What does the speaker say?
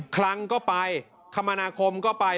ครั้งก็ไปคมนาคมก็ไป